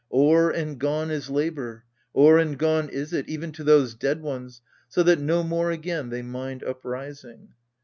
O'er and gone is labour O'er and gone is it, even to those dead ones, So that no more again they mind uprising.